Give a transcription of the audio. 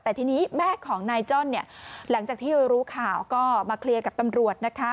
แต่ทีนี้แม่ของนายจ้อนเนี่ยหลังจากที่รู้ข่าวก็มาเคลียร์กับตำรวจนะคะ